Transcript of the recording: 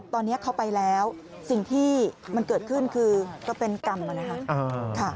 ตอนนี้เขาไปแล้วสิ่งที่มันเกิดขึ้นคือก็เป็นกรรมนะคะ